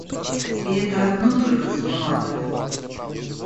И это одно только занимало его.